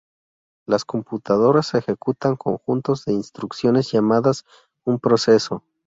Las computadoras ejecutan conjuntos de instrucciones llamadas un proceso.